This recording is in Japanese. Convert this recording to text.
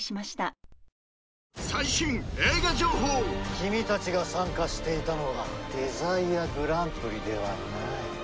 君たちが参加していたのはデザイアグランプリではない。